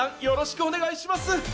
よろしくお願いします。